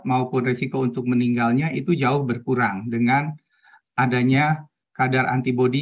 maupun resiko untuk meninggalnya itu jauh berkurang dengan adanya kadar antibody